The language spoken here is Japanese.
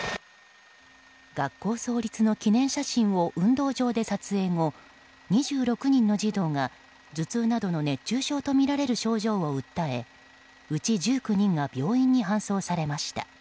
学校創立の記念写真を運動場で撮影後、２６人の児童が頭痛などの熱中症とみられる症状を訴え、うち１９人が病院に搬送されました。